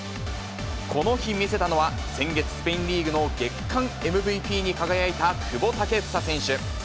この日、見せたのは、先月、スペインリーグの月間ＭＶＰに輝いた久保建英選手。